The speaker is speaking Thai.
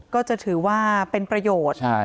ก็จะถือว่าเป็นประโยชน์